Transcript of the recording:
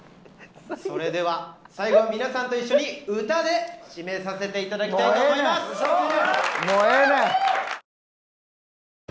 それでは最後は皆さんと一緒に歌で締めさせて頂きたいと思います。